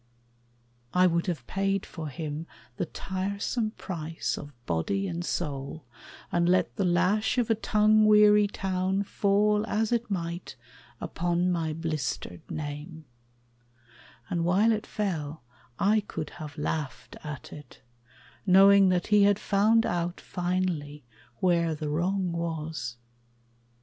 I would have paid For him the tiresome price of body and soul, And let the lash of a tongue weary town Fall as it might upon my blistered name; And while it fell I could have laughed at it, Knowing that he had found out finally Where the wrong was.